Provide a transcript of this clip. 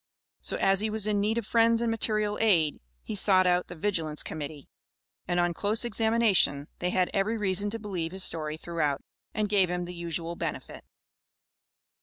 So as he was in need of friends and material aid, he sought out the Vigilance Committee, and on close examination they had every reason to believe his story throughout, and gave him the usual benefit.